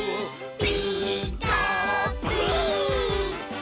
「ピーカーブ！」